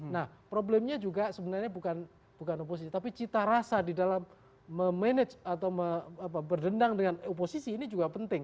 nah problemnya juga sebenarnya bukan oposisi tapi cita rasa di dalam memanage atau berdendang dengan oposisi ini juga penting